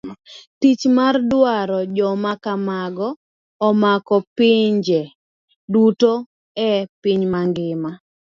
Tich mar daro joma kamago omako pinje duto e piny mang'ima.